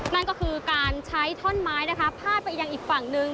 นั่นก็คือการใช้ท่อนไม้นะคะพาดไปยังอีกฝั่งหนึ่ง